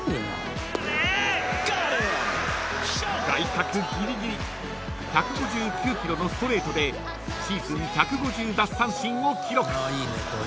［外角ギリギリ１５９キロのストレートでシーズン１５０奪三振を記録］